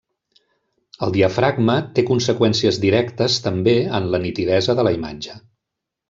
El diafragma té conseqüències directes també en la nitidesa de la imatge.